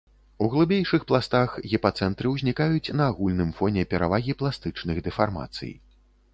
У глыбейшых пластах гіпацэнтры ўзнікаюць на агульным фоне перавагі пластычных дэфармацый.